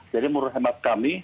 jadi menurut hemat kami